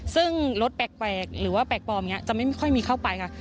ซึ่งรถแปลกแปลกหรือว่าแปลกปลอมอย่างเงี้ยจะไม่ค่อยมีเข้าไปค่ะ